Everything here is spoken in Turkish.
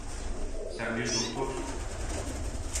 Sen bir doktorsun.